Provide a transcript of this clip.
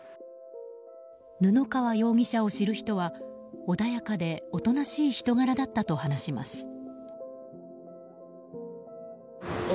布川容疑者を知る人は穏やかでおとなしい人柄だったと話します。